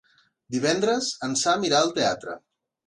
Divendres en Sam irà al teatre.